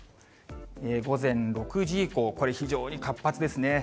午前６時以降、これ、非常に活発ですね。